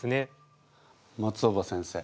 松尾葉先生